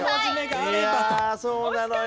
いやそうなのよ。